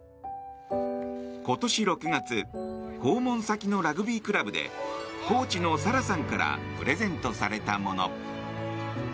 今年６月訪問先のラグビークラブでコーチのサラさんからプレゼントされたもの。